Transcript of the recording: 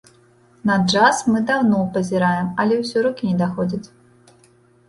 На джаз мы даўно пазіраем, але ўсё рукі не даходзяць.